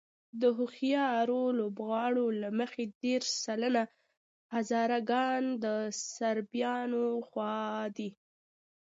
د هوښیارو لوبغاړو له مخې دېرش سلنه هزاره ګان د سرابيانو خوا دي.